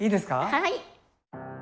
はい。